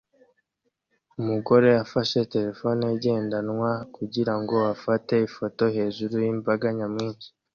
Umugore afashe terefone igendanwa kugira ngo afate ifoto hejuru y'imbaga nyamwinshi